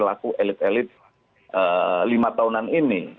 dengan perilaku elit elit lima tahunan ini